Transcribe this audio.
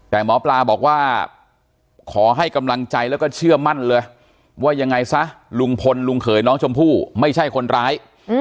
แต่หมอปลาบอกว่าขอให้กำลังใจแล้วก็เชื่อมั่นเลยว่ายังไงซะลุงพลลุงเขยน้องชมพู่ไม่ใช่คนร้าย